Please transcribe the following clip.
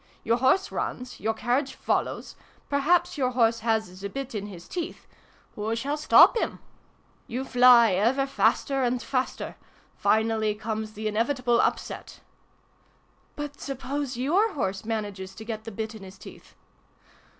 Your horse runs. Your carriage follows. Perhaps your horse has the bit in his teeth. Who shall stop him ? You fly, ever faster and faster ! Finally comes the inevitable upset !"" But suppose your horse manages to get the bit in his teeth